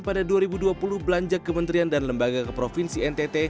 pada dua ribu dua puluh belanja kementerian dan lembaga ke provinsi ntt